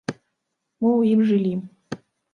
Мы ў ім жылі.